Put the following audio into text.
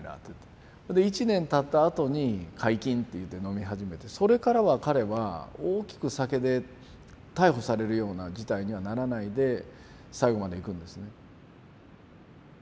一年たったあとに解禁といって飲み始めてそれからは彼は大きく酒で逮捕されるような事態にはならないで最後までいくんですね。